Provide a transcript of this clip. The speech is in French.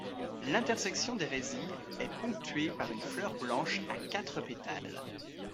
L'intersection des résilles est ponctué par une fleur blanche à quatre pétales.